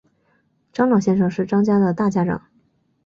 张老先生是张家的大家长